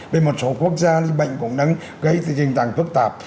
vì một số quốc gia thì bệnh cũng đang gây tình trạng phức tạp